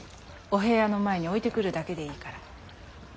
お部屋の前に置いてくるだけでいいから。